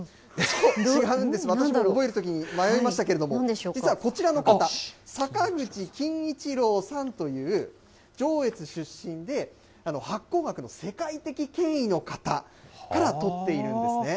違うんです、私も覚えるときに迷いましたけれども、実はこちらの方、坂口謹一郎さんという上越出身で、発酵学の世界的権威の方から取っているんですね。